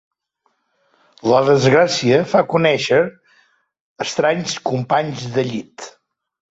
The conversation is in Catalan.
La desgràcia fa conèixer estranys companys de llit.